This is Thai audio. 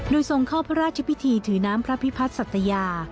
โดยทรงเข้าพระราชพิธีถือน้ำพระพิพัฒน์สัตยา